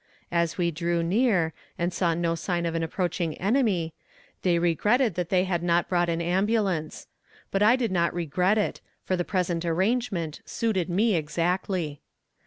As we drew near, and saw no sign of an approaching enemy, they regretted that they had not brought an ambulance; but I did not regret it, for the present arrangement suited me exactly.